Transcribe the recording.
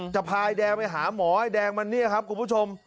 พายแดงไปหาหมอไอ้แดงมันเนี่ยครับคุณผู้ชม